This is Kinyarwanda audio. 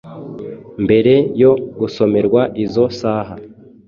mbere yo gusomerwa izo saha